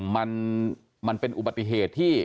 มันเป็นอุบัติเหตุที่